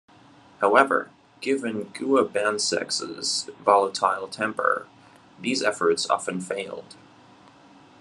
However, given Guabancex's volatile temper, these efforts often failed.